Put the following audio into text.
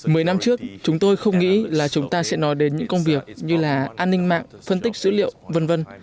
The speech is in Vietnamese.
mười năm trước chúng tôi không nghĩ là chúng ta sẽ nói đến những công việc như là an ninh mạng phân tích dữ liệu v v